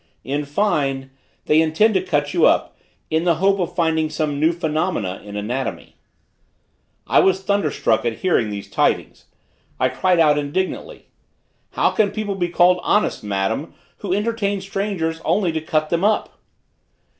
In fine, they intend to cut you up, in the hope of finding some new phenomena in anatomy." I was thunder struck at hearing these tidings. I cried out indignantly: "How can people be called honest, madam! who entertain strangers only to cut them up?"